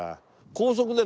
高速でね